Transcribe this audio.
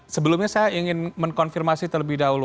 sebelumnya saya ingin mengkonfirmasi terlebih dahulu